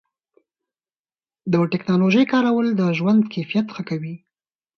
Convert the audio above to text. د ټکنالوژۍ کارول د ژوند کیفیت ښه کوي.